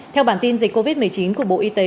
theo bản tin dịch covid một mươi chín của bộ y tế